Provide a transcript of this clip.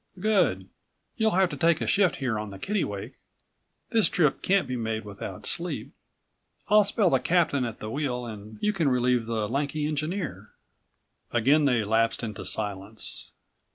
"Good! You'll have to take a shift here on the Kittlewake. This trip can't be made without sleep. I'll spell the captain at the wheel and you can relieve that lanky engineer." Again they lapsed into silence.